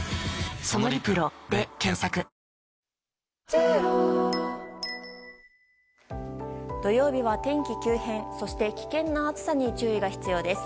ｈｏｙｕ土曜日は天気急変そして危険な暑さに注意が必要です。